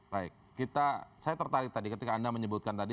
baik saya tertarik tadi ketika anda menyebutkan tadi